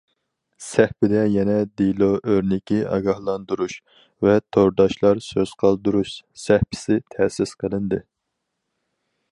سەھىپىدە يەنە« دېلو ئۆرنىكى ئاگاھلاندۇرۇش» ۋە« تورداشلار سۆز قالدۇرۇش» سەھىپىسى تەسىس قىلىندى.